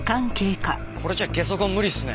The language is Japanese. これじゃゲソ痕無理っすね。